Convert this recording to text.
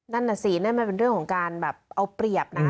นั่นน่ะสินั่นมันเป็นเรื่องของการแบบเอาเปรียบนะ